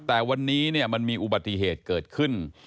แต่วันนี้มันมีอุบัติเหตุเกิดขึ้น